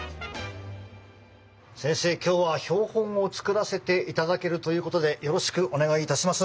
先生今日は標本を作らせていただけるということでよろしくお願いいたします。